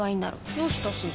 どうしたすず？